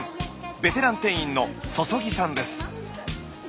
ベテラン店員の淋さんです。